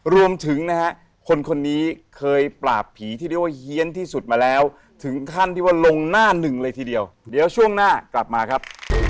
รวมถึงนะฮะคนคนนี้เคยปราบผีที่เรียกว่าเฮียนที่สุดมาแล้วถึงขั้นที่ว่าลงหน้าหนึ่งเลยทีเดียวเดี๋ยวช่วงหน้ากลับมาครับ